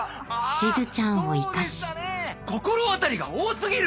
しずちゃんを生かし心当たりが多過ぎる！